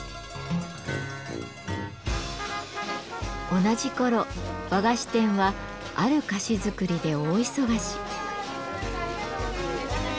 同じ頃和菓子店はある菓子作りで大忙し。